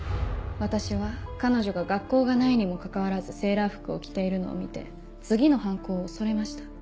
私は彼女が学校がないにもかかわらずセーラー服を着ているのを見て次の犯行を恐れました。